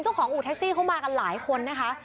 ช่วงของอู๋แท็กซี่เขามากันหลายคนนะคะ